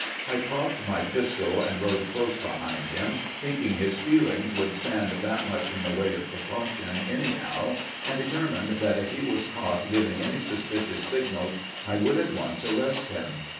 I cocked my pistol, and rode close behind him, thinking his feelings would stand that much in the way of precaution any how, and determined that if he was caught giving any suspicious signals I would at once arrest him.